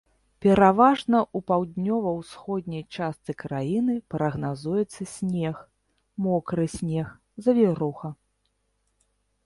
Пераважна у паўднёва-ўсходняй частцы краіны прагназуецца снег, мокры снег, завіруха.